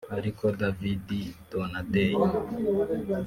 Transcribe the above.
ariko David Donadei